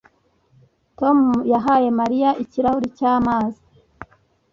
Tom yahaye Mariya ikirahuri cyamazi